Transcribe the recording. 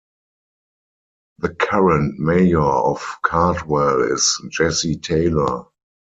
The current Mayor of Cardwell is Jesse Taylor.